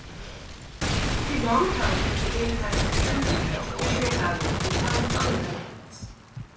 He long held that the game has intrinsic educational value and held other benefits.